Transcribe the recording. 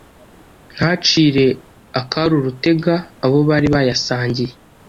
Ntacire akari urutega abo bari bayasangiye.